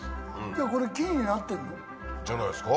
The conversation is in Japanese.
これ木になってるの？じゃないですか？